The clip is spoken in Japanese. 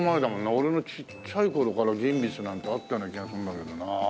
俺のちっちゃい頃からギンビスなんてあったような気がするんだけどな。